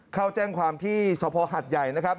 เขาแจ้งความที่ชอบพอร์หัดใหญ่นะครับ